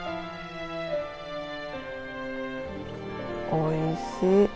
おいしい。